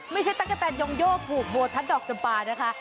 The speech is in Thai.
ไม่ใช่ตั๊กกะแตนยองโยบผูกบัวทัดดอกจำปลานะคะ